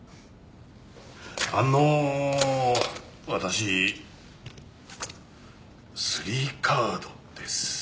あのう私スリーカードです。